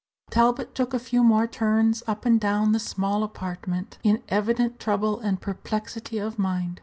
Talbot took a few more turns up and down the small apartment, in evident trouble and perplexity of mind.